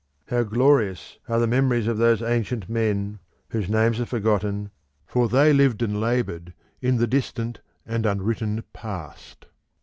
How glorious are the memories of those ancient men, whose names are forgotten, for they lived and laboured in the distant and unwritten past.